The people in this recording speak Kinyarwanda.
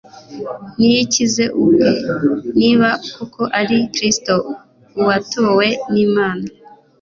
"Niyikize ubwe, niba koko ari Kristo uwatowe n'Imana"!